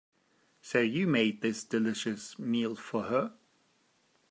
So, you made this delicious meal for her?